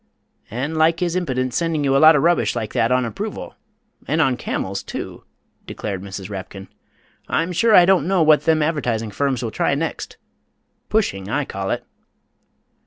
"And like his impidence sending you a lot o' rubbish like that on approval and on camels, too!" declared Mrs. Rapkin. "I'm sure I don't know what them advertising firms will try next pushing, I call it."